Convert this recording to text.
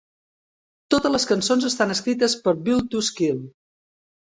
Totes les cançons estan escrites per Built To Spill.